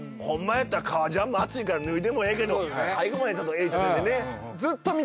やったら革ジャンも暑いから脱いでもええけど最後までちゃんと襟立ててね